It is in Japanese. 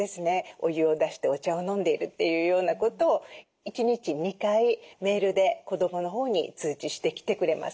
お湯を出してお茶を飲んでいるというようなことを１日２回メールで子どものほうに通知してきてくれます。